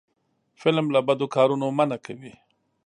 فلم له بدو کارونو منع کوي